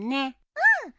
うん。